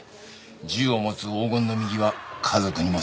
銃を持つ黄金の右は家族にも触らせない。